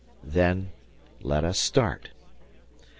"Then let us start."